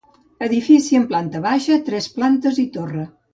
Edifici amb planta baixa, tres plantes i torre.